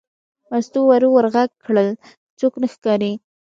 مستو ورو ور غږ کړل: څوک نه ښکاري.